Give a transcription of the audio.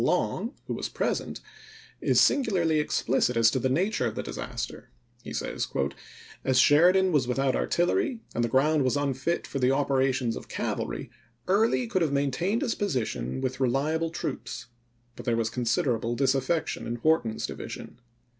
Long, who was present, is singularly, explicit as to the nature of the disaster ; he says, " As Sheridan was without artillery, and the ground was unfit for the operations of cavalry, Early could have easily maintained his position with reliable troops ; but there was considerable disaffection in Long, Wharton's division.